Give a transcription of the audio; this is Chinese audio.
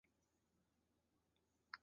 并河因幡守宗隆之弟。